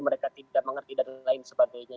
mereka tidak mengerti dan lain sebagainya